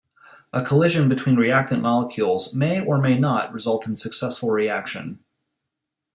A collision between reactant molecules may or may not result in a successful reaction.